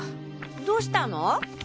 どうしたの？